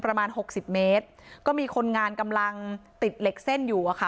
หกสิบเมตรก็มีคนงานกำลังติดเหล็กเส้นอยู่อะค่ะ